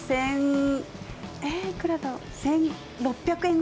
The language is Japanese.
１６００円。